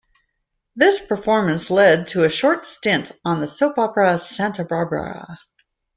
This performance led to a short stint on the soap opera "Santa Barbara".